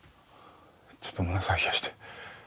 ちょっと胸騒ぎがして。